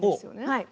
はい。